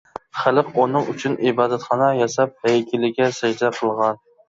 خەلق ئۇنىڭ ئۈچۈن ئىبادەتخانا ياساپ، ھەيكىلىگە سەجدە قىلغان.